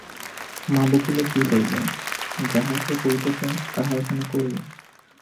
মা বকিলে কি হইবে, যাহা সে পড়িতে চায়, তাহা এখানে কই?